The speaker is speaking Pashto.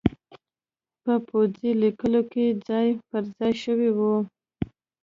په پوځي لیکو کې ځای پرځای شوي وو